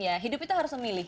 ya hidup kita harus memilih